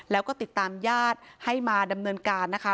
แล้วก็ติดตามญาติให้มาดำเนินการนะคะ